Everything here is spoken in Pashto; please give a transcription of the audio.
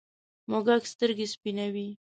موږک سترگې سپینې وې.